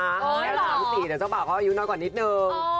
แล้ว๓๔เดี๋ยวเจ้าบ่าวเขาอายุน้อยกว่านิดนึง